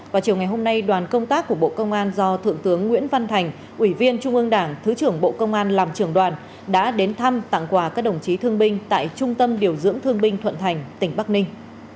vào chiều ngày hôm nay đoàn công tác của bộ công an do thượng tướng nguyễn văn thành ủy viên trung ương đảng thứ trưởng bộ công an làm trường đoàn đã đến thăm tặng quà các đồng chí thương binh tại trung tâm điều dưỡng thương binh thuận thành tỉnh bắc ninh